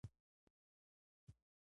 يوويشت دوويشت درويشت